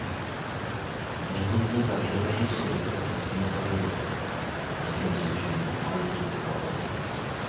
日本人がゲノム編集で作った新型ウイルスで２０１９年にパンデミックが起こったんです。